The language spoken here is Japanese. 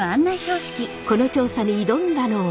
この調査に挑んだのは。